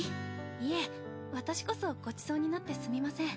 いえ私こそごちそうになってすみません。